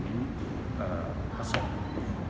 มายุดประสงค์